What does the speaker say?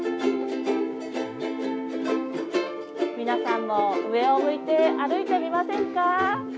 皆さんも上を向いて歩いてみませんか？